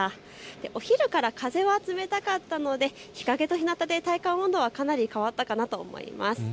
お昼から風が冷たかったんで日陰とひなたで体感温度はかなり変わったかなと思います。